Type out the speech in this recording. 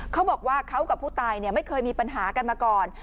เขาบอกว่าเขากับผู้ตายไม่เคยมีปัญหากันมาก่อน